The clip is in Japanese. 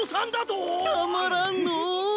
たまらんのぉ。